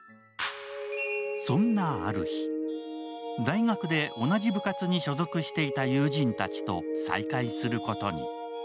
そんなある日、大学で同じ部活に所属していた友人たちと再会することに。